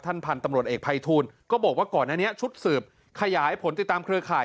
พันธุ์ตำรวจเอกภัยทูลก็บอกว่าก่อนอันนี้ชุดสืบขยายผลติดตามเครือข่าย